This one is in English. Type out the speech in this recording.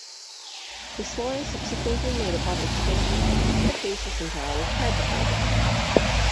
His lawyer subsequently made a public statement that the case was entirely fabricated.